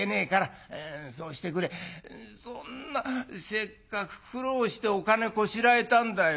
せっかく苦労してお金こしらえたんだよ。